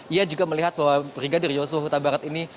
ia juga melihat bahwa brigadir yosua huta barat ini